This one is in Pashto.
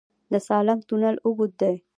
د سالنګ تونل اوږد دی